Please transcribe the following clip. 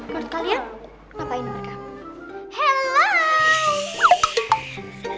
menurut kalian ngapain mereka